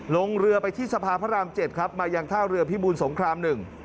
ลงเรือไปที่สภาพระรามเจ็ดครับมายังท่าเรือพิบูรสงครามหนึ่ง